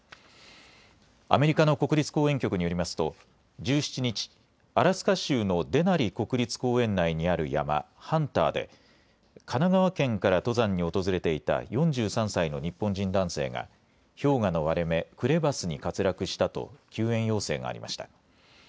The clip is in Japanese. アメリカの国立公園局によりますと、１７日、アラスカ州のデナリ国立公園内にある山、ハンターで、神奈川県から登山に訪れていた４３歳の日本人男性が、氷河の割れ目、クレバスに滑落したと救援要請がありました。